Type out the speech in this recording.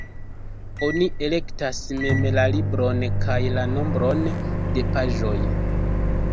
Oni elektas mem la libron kaj la nombron de paĝoj.